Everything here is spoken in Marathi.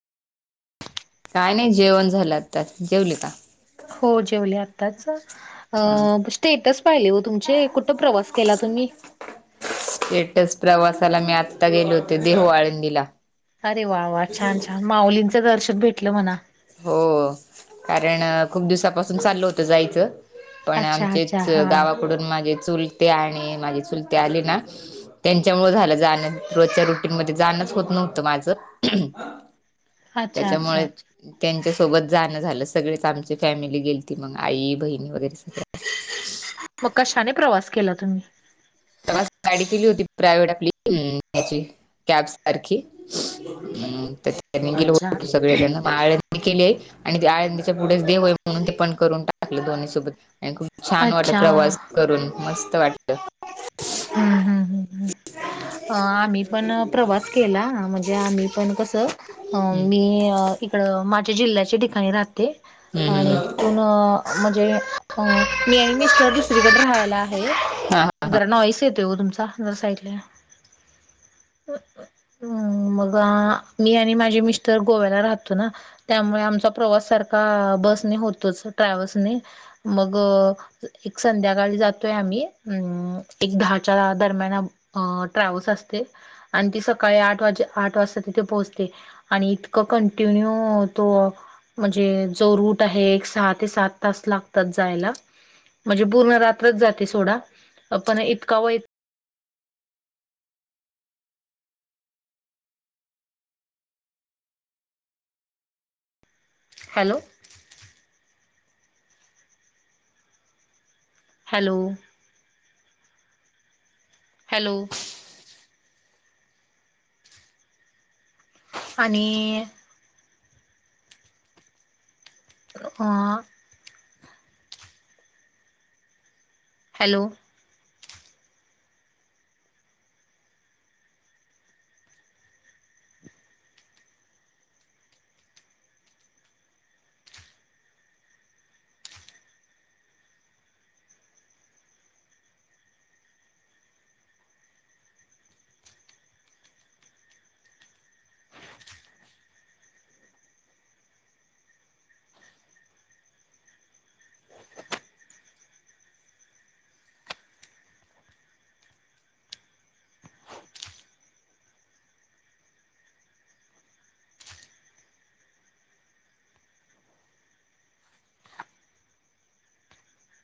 काय नाही जेवण झालं त्यात जेवल का हो जेवले आताच अ ह स्टेटस पाहिले हो तुमचे कुठं प्रवास केला तुम्ही स्टेटच प्रवासाला मी आत्ता गेलो होते देह आळंदीला अरे वा वा छान छान माउलींचं दर्शन भेटलं म्हणा हो कारण खूप दिवसापासून चालल होतं जायचं पण अच्छा अच्छा आमचेच हा गावाकडून माझे चुलते आणि माझी चुलते आले ना त्यांच्यामु झालं जाणं रोजच्या रुटीनमध्येध्ये जाणंच होत नव्हतं माझं अच्छा अच्छा त्याच्यामुळे अच्छा त्यांच्या सोबत जाणं झालं सगळेच आमची फॅमिली गेल त मग आई बहिणी वगैरे सगळ [inaudible] मग कशाने प्रवास केला तुम्ही गाडी केली होती प्रायव्हेट आपलीची कॅब सारखी त्यानी गेलो अच्छा होत सगळे जण केली आणि ते आ त्याच्या पुढेच देवय म्हणून ते पण करून टाकले दोन्ही सोबत छान वाटत अच्छा प्रवास करून मस्त वाटत हम्म हम् ह्् आम्ही पण प्रवास केला म्हणजे आम्ही पण कसं हम्म, मी इकड माझ्या जिल्ह्याच्या ठिकाणी राहते हम्म, आणि हम्म. तिथून म्हणजे मी आणि मिस्टर हा दुसरीकडे राहायला आहे हा हा जरा नॉईस येते हो तुमचा जर साईितल्या ह मग मी आणि माझी मिस्टर गोव्याला राहतो ना त्यामुळे आमचा प्रवास सारखा बसने होतोच ट्रॅव्हल्सने मग एक संध्याकाळी जातोय आम्ही अम एक दहा च दरम्यान ट्रॅव्हल्स असते आणि ती सकाळी आठ वाज आठ वाजता तिथे पोहोचते आणि इतकं कंटिन्यू तो म्हणजे जो रूट आहे एक सहा ते सात तास लागतात जायला म्हणजे पूर्ण रात्रच जाते सोडा पण इतका व हॅलो हॅलो हॅलो आणि ह हॅलो